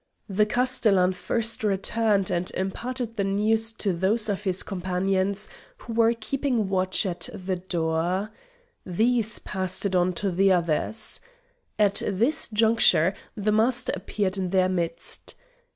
The castellan first returned and imparted the news to those of his companions who were keeping watch at the door. These passed it on to the others. At this juncture the Master appeared in their midst.